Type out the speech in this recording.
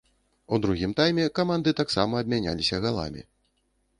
У другім тайме каманды таксама абмяняліся галамі.